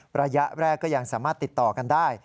ระยะแรกก็ยังสามารถติดต่อกันได้